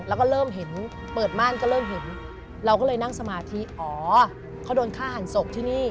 แล้วก็เริ่มเห็นเปิดม่านก็เริ่มเห็นเราก็เลยนั่งสมาธิอ๋อเขาโดนฆ่าหันศพที่นี่